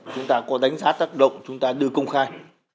chúng ta có đánh giá tác động chúng ta đưa công khai